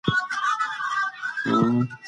زړه د حقیقت پیژندلو وسیله ده.